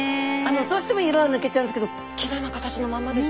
どうしても色は抜けちゃうんですけどきれいな形のまんまですね。